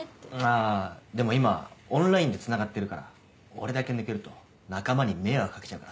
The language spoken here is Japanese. あぁでも今オンラインでつながってるから俺だけ抜けると仲間に迷惑かけちゃうからさ。